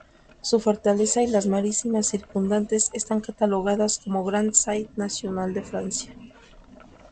Su fortaleza y las marismas circundantes están catalogadas como Grand site national de Francia.